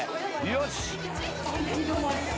よし。